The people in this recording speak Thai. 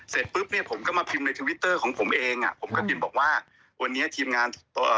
เสร็จปุ๊บเนี้ยผมก็มาพิมพ์ในทวิตเตอร์ของผมเองอ่ะผมก็พิมพ์บอกว่าวันนี้ทีมงานเอ่อ